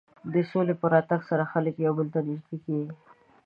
د سولې په راتګ سره خلک یو بل ته نژدې کېږي.